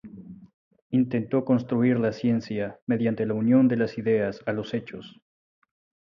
Intentó construir la ciencia mediante la unión de las ideas a los hechos.